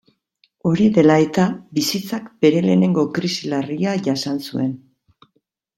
Hori dela eta bizitzak bere lehenengo krisi larria jasan zuen.